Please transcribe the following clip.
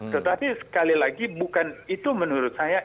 tetapi sekali lagi bukan itu menurut saya